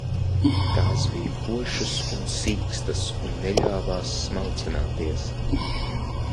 Tās bija košas un sīkstas un neļāvās smalcināties.